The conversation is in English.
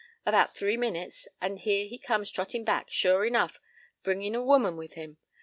About three minutes and here he comes trottin' back, sure enough, bringin' a woman with him.